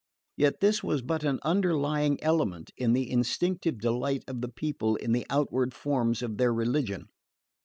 Yet this was but an underlying element in the instinctive delight of the people in the outward forms of their religion.